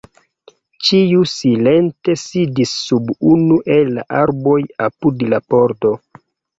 Ĉiu silente sidis sub unu el la arboj apud la bordo.